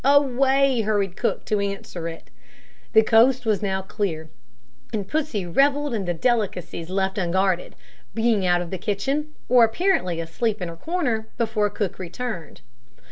Away hurried cook to answer it. The coast was now clear, and Pussy revelled in the delicacies left unguarded being out of the kitchen, or apparently asleep in her corner, before cook returned.